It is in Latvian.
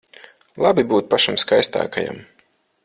Labi būt pašam skaistākajam.